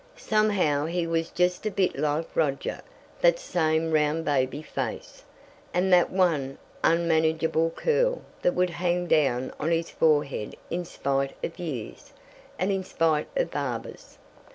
Somehow he was just a bit like Roger that same round baby face, and that one unmanageable curl that would hang down on his forehead in spite of years, and in spite of barbers.